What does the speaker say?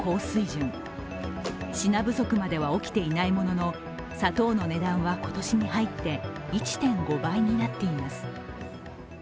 品不足までは起きていないものの砂糖の値段は今年に入って１．５倍になっています。